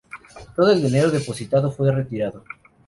Todo el dinero depositado fue retirado.